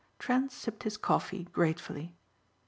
Trent sipped his coffee gratefully.